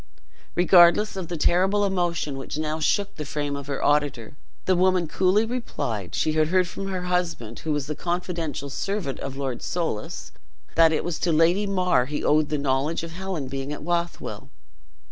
Regardless of the terrible emotion which now shook the frame of her auditor, the woman coolly replied, she had heard from her husband, who was the confidential servant of Lord Soulis, that it was to Lady mar he owed the knowledge of Helen being at Bothwell.